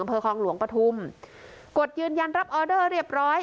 อำเภอคลองหลวงปฐุมกดยืนยันรับออเดอร์เรียบร้อย